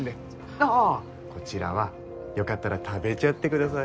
ああこちらはよかったら食べちゃってください。